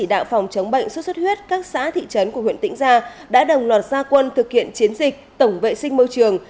đạo phòng chống bệnh xuất xuất huyết các xã thị trấn của huyện tĩnh gia đã đồng loạt gia quân thực hiện chiến dịch tổng vệ sinh môi trường